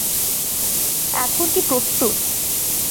এখন কি প্রস্তুত?